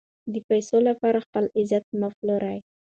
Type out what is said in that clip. د پیسو لپاره خپل عزت مه پلورئ.